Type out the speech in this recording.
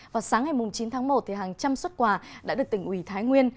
vào sáng ngày chín tháng một hàng trăm xuất quà đã được tỉnh ủy thái nguyên